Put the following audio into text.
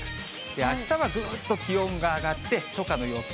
あしたはぐっと気温が上がって、初夏の陽気。